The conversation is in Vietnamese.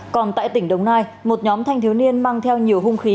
còn tại tỉnh đồng nai một nhóm thanh thiếu niên mang theo nhiều hung khí